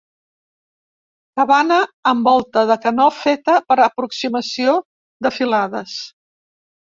Cabana amb volta de canó feta per aproximació de filades.